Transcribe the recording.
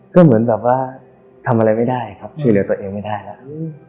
ก็เหมือนแบบว่าทำอะไรไม่ได้ครับช่วยเหลือตัวเองไม่ได้แล้ว